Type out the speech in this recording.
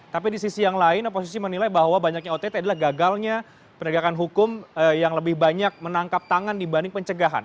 tapi di sisi yang lain oposisi menilai bahwa banyaknya ott adalah gagalnya penegakan hukum yang lebih banyak menangkap tangan dibanding pencegahan